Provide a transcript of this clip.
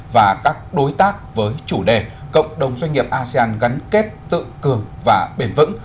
và các đối tác với chủ đề cộng đồng doanh nghiệp asean gắn kết tự cường và bền vững